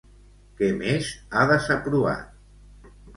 Què més ha desaprovat?